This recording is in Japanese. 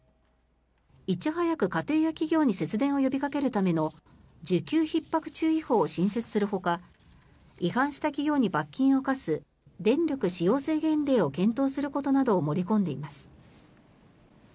いち早く家庭や企業に節電を呼びかけるための需給ひっ迫注意報を新設するほか違反した企業に罰金を科す電力使用制限令を検討することなどを盛り込んでいます。